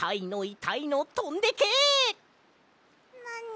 なに？